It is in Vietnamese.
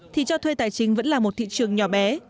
thì cho thuê tài chính vẫn là một thị trường nhỏ bé